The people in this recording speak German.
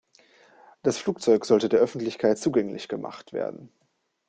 Das Flugzeug sollte der Öffentlichkeit zugänglich gemacht werden.